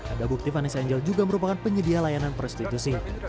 ada bukti vanessa angel juga merupakan penyedia layanan prostitusi